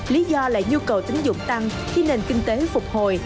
lý do là nhu cầu tính dụng tăng khi nền kinh tế phục hồi